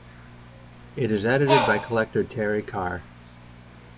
It is edited by collector Terry Carr.